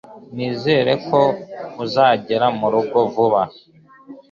Nizere ko uzagera murugo vuba